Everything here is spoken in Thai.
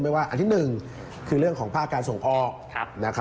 ว่าอันที่๑คือเรื่องของภาคการส่งออก